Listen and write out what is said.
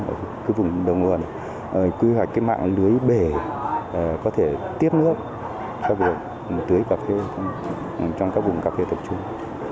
ở cái vùng đầu nguồn quy hoạch cái mạng lưới bể có thể tiếp nước cho việc tưới cà phê trong các vùng cà phê tổ chung